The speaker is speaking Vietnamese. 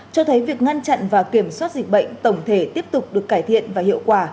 cho thấy việc ngăn chặn và kiểm soát dịch bệnh tổng thể tiếp tục được cải thiện và hiệu quả